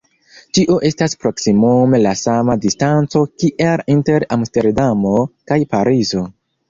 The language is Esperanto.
Tio estas proksimume la sama distanco kiel inter Amsterdamo kaj Parizo.